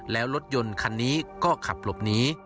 แล้วรถยนต์คันนี้ก็ขับหลบหนี